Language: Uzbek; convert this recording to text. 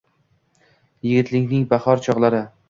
Yigitlikning bahor chog’lari.